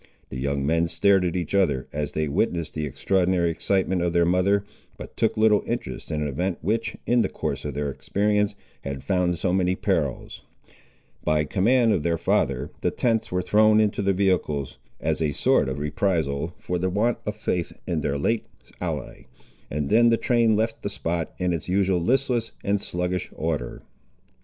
The young men stared at each other, as they witnessed the extraordinary excitement of their mother, but took little interest in an event which, in the course of their experience, had found so many parallels. By command of their father, the tents were thrown into the vehicles, as a sort of reprisal for the want of faith in their late ally, and then the train left the spot, in its usual listless and sluggish order.